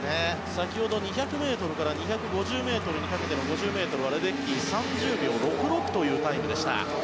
先ほど２００ｍから２５０ｍにかけての５０ｍはレデッキー３０秒６６というタイムでした。